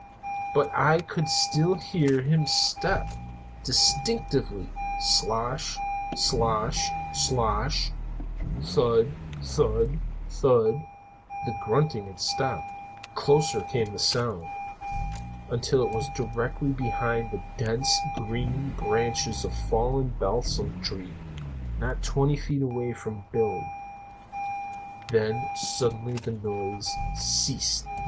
But I could still hear his steps distinctly slosh, slosh, slosh thud, thud, thud (the grunting had stopped) closer came the sound, until it was directly behind the dense green branches of a fallen balsam tree, not twenty feet away from Billy. Then suddenly the noise ceased.